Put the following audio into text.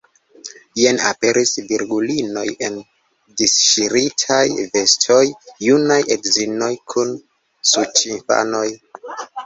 Jen aperis virgulinoj en disŝiritaj vestoj, junaj edzinoj kun suĉinfanoj.